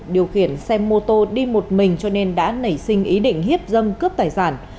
điều khiển xe mô tô đi một mình cho nên đã nảy sinh ý định hiếp dâm cướp tài sản